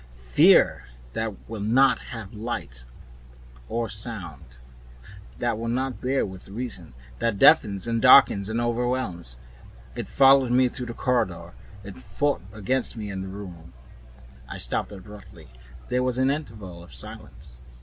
Fear that will not have light nor sound, that will not bear with reason, that deafens and darkens and overwhelms. It followed me through the corridor, it fought against me in the room " I stopped abruptly. There was an interval of silence.